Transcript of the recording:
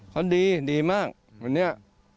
เขาดีดีมากเหมือนเนี้ย